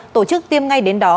tổ chức tiêm ngay đến đó